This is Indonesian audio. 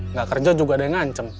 nggak kerja juga ada yang nganceng